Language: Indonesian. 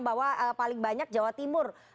bahwa paling banyak jawa timur